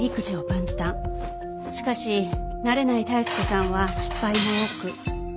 しかし慣れない大輔さんは失敗も多く。